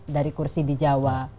dari kursi di jawa